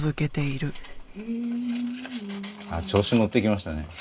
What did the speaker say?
調子に乗ってきましたね。